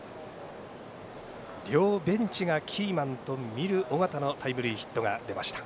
両ベンチがキーマンと見る緒方のタイムリーヒットが出ました。